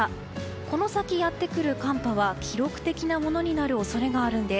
この先やってくる寒波は記録的なものになる恐れがあるんです。